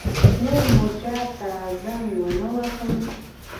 نور مو چا ته زنګ ونه وهلو.